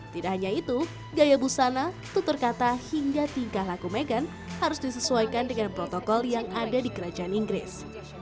tidak hanya itu gaya busana tutur kata hingga tingkah laku meghan harus disesuaikan dengan protokol yang ada di kerajaan inggris